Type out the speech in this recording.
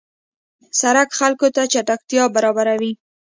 سړک خلکو ته چټکتیا برابروي.